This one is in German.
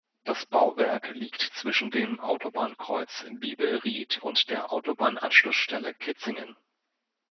Das Bauwerk liegt zwischen dem Autobahnkreuz Biebelried und der Autobahnanschlussstelle Kitzingen.